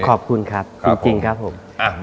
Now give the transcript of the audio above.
ขอบคุณครับจริงครับผม